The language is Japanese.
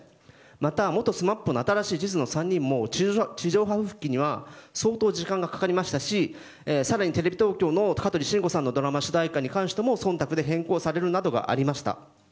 また、元ＳＭＡＰの新しい地図の３人も地上波復帰には相当時間がかかりましたしテレビ東京の香取慎吾さんのドラマ主題歌についても忖度で変更されることもありました。